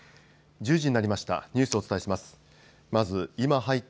１０時になりました。